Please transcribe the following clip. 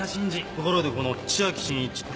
ところでこの千秋真一って誰？